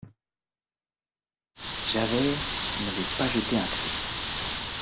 Javert n'avait pas jeté un cri.